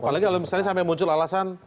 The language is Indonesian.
apalagi kalau misalnya sampai muncul alasan